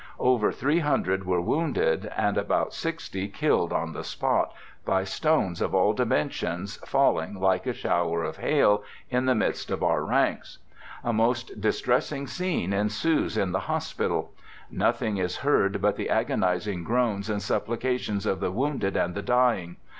Over 300 were wounded and about 60 killed on the spot, by stones of all dimen sions falling, like a shower of hail, in the midst of our ranks. A most distressing scene ensues in the hospital. Nothing is heard but the agonizing groans and supplica tions of the wounded and the dying.